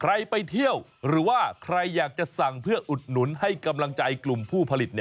ไปเที่ยวหรือว่าใครอยากจะสั่งเพื่ออุดหนุนให้กำลังใจกลุ่มผู้ผลิต